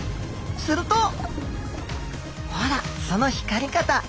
するとほらその光り方。